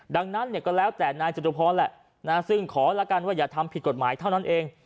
ดังนั้นเนี่ยก็แล้วแต่นายจตุพรแหละซึ่งขอละกันว่าอย่าทำผิดกฎหมายเท่านั้นเอง